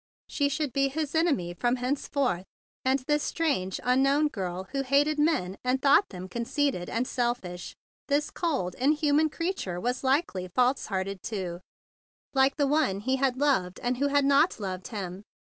She should be his enemy from henceforth. And this strange, un¬ known girl, who hated men and thought 43 THE BIG BLUE SOLDIER them conceited and selfish, this cold, in¬ human creature, was likely false¬ hearted too, like the one he had loved and who had not loved him.